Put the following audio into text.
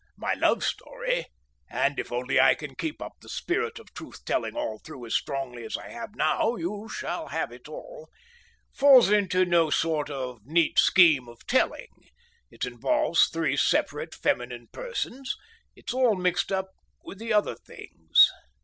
My love story—and if only I can keep up the spirit of truth telling all through as strongly as I have now, you shall have it all—falls into no sort of neat scheme of telling. It involves three separate feminine persons. It's all mixed up with the other things....